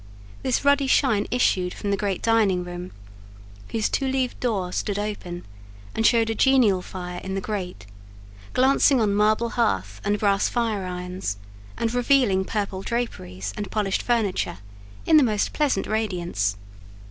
This ruddy shine issued from the great dining room, whose two leaved door stood open, and showed a genial fire in the grate, glancing on marble hearth and brass fire irons, and revealing purple draperies and polished furniture, in the most pleasant radiance.